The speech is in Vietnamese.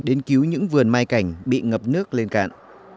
đến cứu những vườn mai cảnh bị ngập nước lên cạn